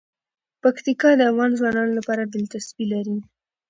پکتیکا د افغان ځوانانو لپاره دلچسپي لري.